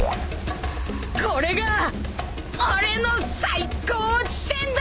これが俺の最高地点だ！